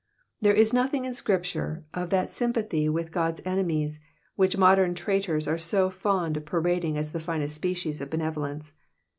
There is nothing in Scripture of that sympathy with God's enemies which modern traitors are so fond of parading as the finest species of benevolence.